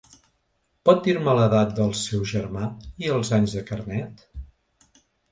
Pot dir-me la edat del seu germà i els anys de carnet?